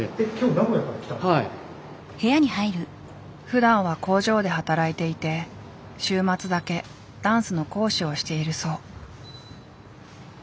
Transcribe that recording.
ふだんは工場で働いていて週末だけダンスの講師をしているそう。